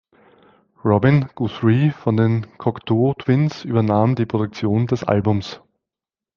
Robin Guthrie von den Cocteau Twins übernahm die Produktion des Albums.